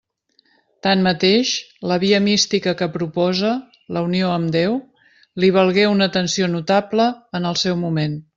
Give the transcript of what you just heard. Tanmateix, la via mística que proposa, la unió amb Déu, li valgué una atenció notable en el seu moment.